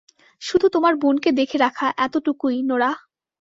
শুধু তোমার বোনকে দেখে রাখা এতটুকুই -নোরাহ!